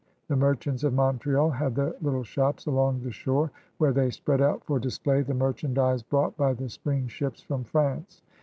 The merchants of Montreal had their little shops along the shore where they fifpread out for display the merchandise brought by the spring ships from France.